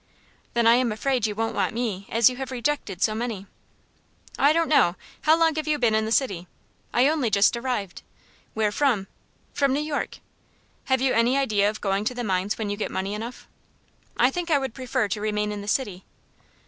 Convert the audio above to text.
"Then I am afraid you won't want me, as you have rejected so many." "I don't know. How long have you been in the city?" "I only just arrived." "Where from?" "From New York." "Have you any idea of going to the mines when you get money enough?" "I think I would prefer to remain in the city."